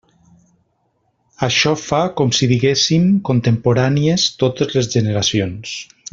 Això fa, com si diguéssim, contemporànies totes les generacions.